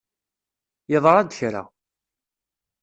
Yeḍṛa-d kra.